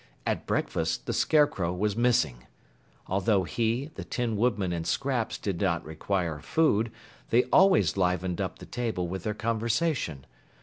At breakfast, the Scarecrow was missing. Although he, the Tin Woodman and Scraps did not require food, they always livened up the table with their conversation.